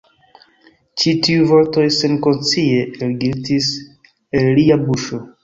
Ĉi tiuj vortoj senkonscie elglitis el lia buŝo.